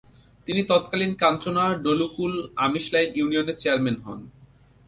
তিনি তৎকালীন কাঞ্চনা, ডলুকূল, আমিলাইষ ইউনিয়নের চেয়ারম্যান হন।